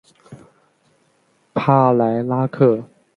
帕莱拉克。